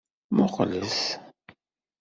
Muqqlet.